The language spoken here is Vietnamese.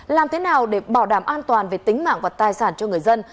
làm thế nào để bảo đảm an toàn về tính mạng và tài sản cho người dân